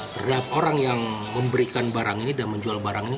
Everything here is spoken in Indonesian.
terhadap orang yang memberikan barang ini dan menjual barang ini